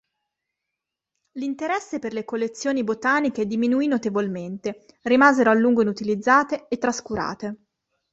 L'interesse per le collezioni botaniche diminuì notevolmente, rimasero a lungo inutilizzate e trascurate.